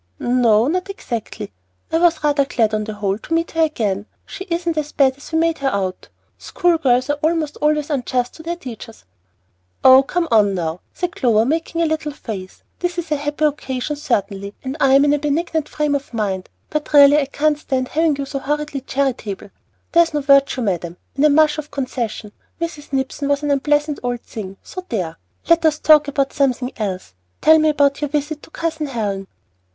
"N o, not exactly. I was rather glad, on the whole, to meet her again. She isn't as bad as we made her out. School girls are almost always unjust to their teachers." "Oh, come, now," said Clover, making a little face. "This is a happy occasion, certainly, and I am in a benignant frame of mind, but really I can't stand having you so horridly charitable. 'There is no virtue, madam, in a mush of concession.' Mrs. Nipson was an unpleasant old thing, so there! Let us talk of something else. Tell me about your visit to Cousin Helen."